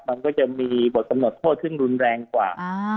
มันก็จะมีบทกำหนดโทษซึ่งรุนแรงกว่า